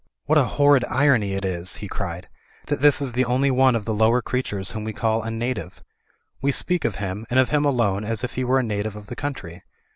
*What a horrid irony it is/' he cried, "that this is the only one of the lower creatures whom we call a Native ! We speak of him, and of him alone as if he were a native of the country.